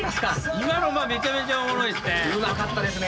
今のはめちゃめちゃおもろいですね。